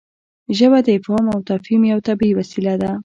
ژبه د افهام او تفهیم یوه طبیعي وسیله ده.